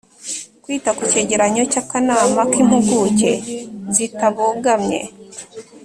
kwita ku cyegeranyo cy'akanama k'impuguke zitabogamye